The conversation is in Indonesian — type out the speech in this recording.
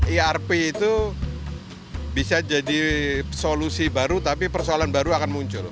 irp itu bisa jadi solusi baru tapi persoalan baru akan muncul